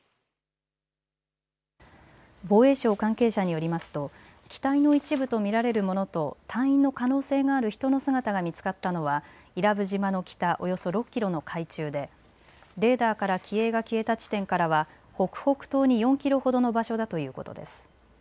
防衛省関係者によりますと機体の一部と見られるものと隊員の可能性がある人の姿が見つかったのは伊良部島の北およそ６キロの海中でレーダーから機影が消えた地点からは北北東に４キロほどの場所だということです。